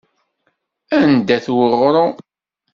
Anda-t uɣrum?